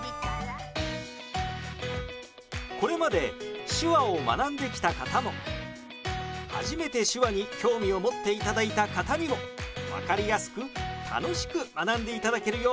これまで手話を学んできた方も初めて手話に興味を持っていただいた方にも分かりやすく楽しく学んでいただけるよう